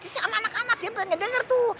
sama anak anak dia pengen denger tuh